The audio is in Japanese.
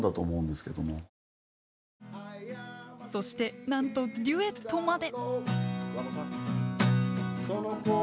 そしてなんとデュエットまで！